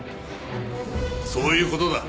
そういう事だ。